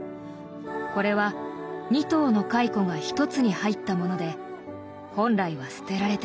これは２頭の蚕が一つに入ったもので本来は捨てられてしまう。